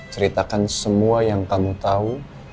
ceritakan semua yang kamu tahu